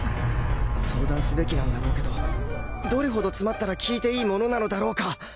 相談すべきなんだろうけどどれほど詰まったら聞いていいものなのだろうか？